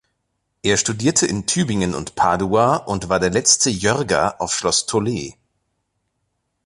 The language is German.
Er studierte in Tübingen und Padua und war der letzte Jörger auf Schloss Tollet.